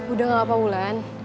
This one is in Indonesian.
udah gak apa wulan